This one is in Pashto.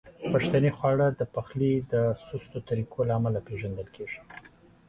پښتني خواړه د پخلي د سستو طریقو له امله پیژندل کیږي.